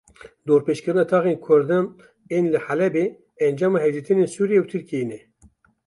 Dorpêçkirina taxên Kurdan ên li Helebê encama hevdîtinên Sûriye û Tirkiyeyê ne.